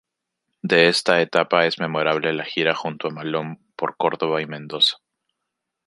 De esta etapa es memorable la gira junto a Malón por Córdoba y Mendoza.